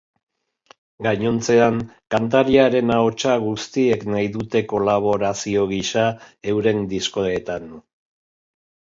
Gainontzean, kantariaren ahotsa guztiek nahi dute kolaborazio gisa euren diskoetan.